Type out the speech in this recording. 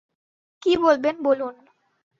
কি বলবেন বলুন।